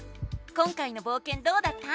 今回のぼうけんどうだった？